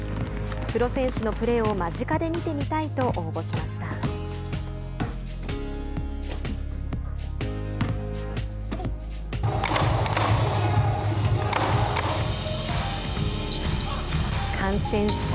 プロ選手のプレーを間近で見てみたいと応募しました。